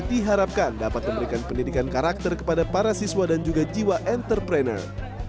diharapkan dapat memberikan pendidikan karakter kepada para siswa dan juga jiwa entrepreneur